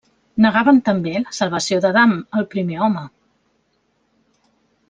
Negaven també la salvació d'Adam, el primer home.